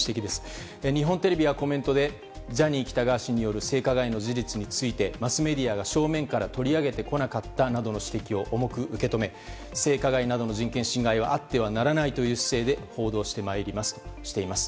日本テレビはコメントでジャニー喜多川氏による性加害の事実についてマスメディアが正面から取り上げてこなかったなどの指摘を重く受け止め性加害などの人権侵害はあってはならないという姿勢で報道してまいりますとしています。